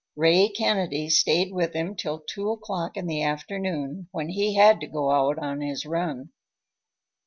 Ray Kennedy stayed with him till two o'clock in the afternoon, when he had to go out on his run.